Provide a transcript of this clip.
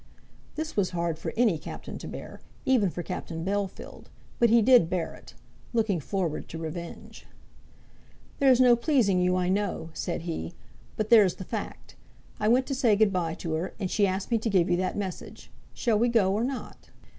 This was hard for any captain to bear, even for Captain Bellfield; but he did bear it, looking forward to revenge. "There's no pleasing you, I know," said he. "But there's the fact. I went to say goodbye to her, and she asked me to give you that message. Shall we go or not?"